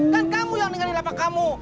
kan kamu yang meninggal di lapak kamu